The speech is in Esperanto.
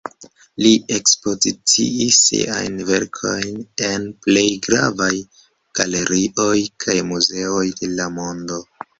Li ekspoziciis siajn verkojn en plej gravaj galerioj kaj muzeoj de la mondo.